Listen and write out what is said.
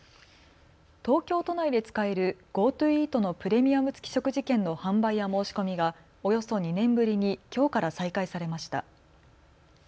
東京都内で使えるＧｏＴｏイートのプレミアム付き食事券の販売や申し込みがおよそ２年ぶりにきょうから再開されました。